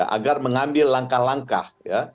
agar mengambil langkah langkah